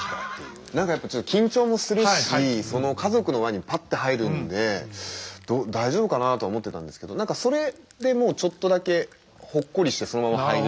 何かやっぱ緊張もするしその家族の輪にパッて入るんで大丈夫かなと思ってたんですけど何かそれでちょっとだけほっこりしてそのまま入れるというか。